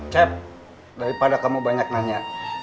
cep daripada kamu banyak nanya